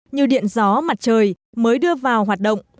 như điện gió mặt trời mới đưa vào hoạt động